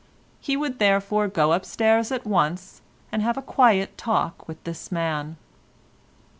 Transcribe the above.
He would therefore go upstairs at once, and have a quiet talk with this man.